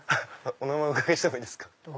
お名前お伺いしてもいいですか？